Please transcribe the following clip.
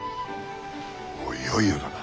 おおいよいよだな。